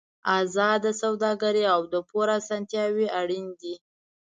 ازاده سوداګري او د پور اسانتیاوې اړین دي.